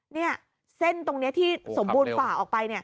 นี่เส้นตรงนี้ที่สมบูรณ์ฝ่าออกไป